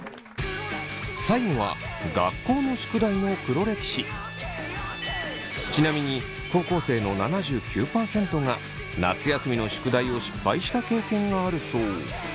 最後はちなみに高校生の７９％が夏休みの宿題を失敗した経験があるそう。